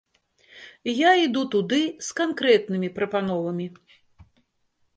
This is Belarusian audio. Я іду туды з канкрэтнымі прапановамі.